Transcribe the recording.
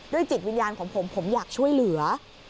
จิตวิญญาณของผมผมอยากช่วยเหลือ